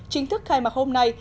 chính thức khai mạc hôm nay